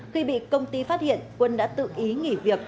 khi bị công ty phát hiện quân đã tự ý nghỉ việc